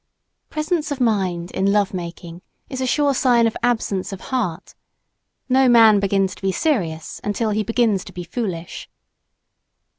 Presence of mind in love making is a sure sign of absence of heart; no man begins to be serious until he begins to be foolish.